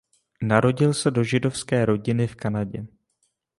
Narodil se do židovské rodiny v Kanadě.